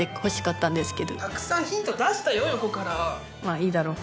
まあいいだろう。